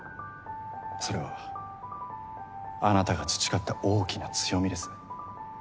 それはあなたが培った大きな強みです。